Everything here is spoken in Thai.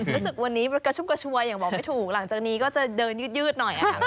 รู้สึกวันนี้กระชุ่มกระชวยอย่างบอกไม่ถูกหลังจากนี้ก็จะเดินยืดหน่อยค่ะ